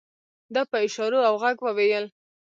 ده په اشارو او غږ وويل.